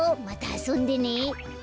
またあそんでね。